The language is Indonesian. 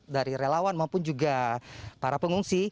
dari relawan maupun juga para pengungsi